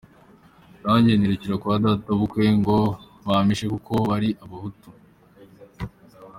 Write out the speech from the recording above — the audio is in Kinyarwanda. Nanjye nirukira kwa data bukwe ngo bampishe kuko bari Abahutu.